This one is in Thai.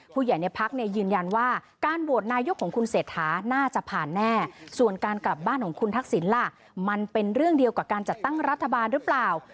ผู้ใหญ่ในพักเนี่ยยืนยันว่าการโหวตนายกของคุณเศรษฐาน่าจะผ่านแน่ส่วนการกลับบ้านของคุณทักษิณล่ะมันเป็นเรื่องเดียวกับการจัดตั้งรัฐบาลหรือเปล่า